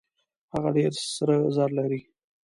هغه ډېر سره زر لري.